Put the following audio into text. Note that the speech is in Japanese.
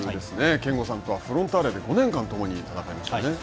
憲剛さんとはフロンターレで５年間、ともに戦いましたね。